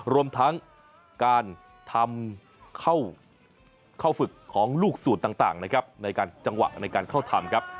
รวมทั้งการทำเข้าฝึกของลูกสูตรต่างในการเข้าธรรม